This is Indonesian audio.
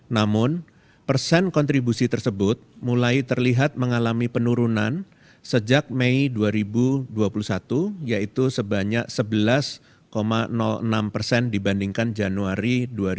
namun persen kontribusi tersebut mulai terlihat mengalami penurunan sejak mei dua ribu dua puluh satu yaitu sebanyak sebelas enam persen dibandingkan januari dua ribu dua puluh